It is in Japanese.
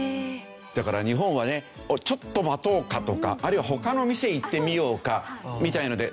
だから日本はねちょっと待とうかとかあるいは他の店行ってみようかみたいので。